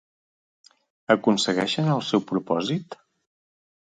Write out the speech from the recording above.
Aconsegueixen el seu propòsit?